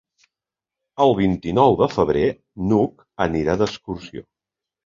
El vint-i-nou de febrer n'Hug anirà d'excursió.